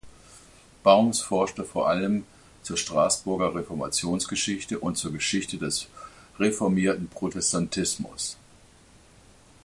Baums forschte vor allem zur Straßburger Reformationsgeschichte und zur Geschichte des reformierten Protestantismus.